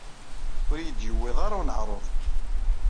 Ur iyi-d-yuwiḍ ara uneɛruḍ.